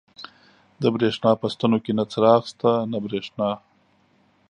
د برېښنا په ستنو کې نه څراغ شته، نه برېښنا.